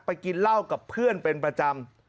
กินเหล้ากับเพื่อนเป็นประจำ